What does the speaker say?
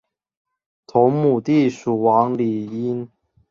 同母弟蜀王李愔。